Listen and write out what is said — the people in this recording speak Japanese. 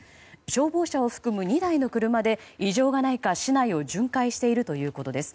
消防車を含む２台の車で異常がないか市内を巡回しているということです。